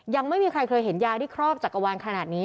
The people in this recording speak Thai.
ยังไม่มีใครเคยเห็นยาที่ครอบจักรวาลขนาดนี้